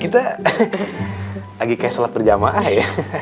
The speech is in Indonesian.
kita lagi kayak sholat berjamaah ya